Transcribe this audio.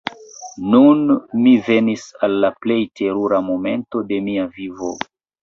Nun mi venis al la plej terura momento de mia vivo!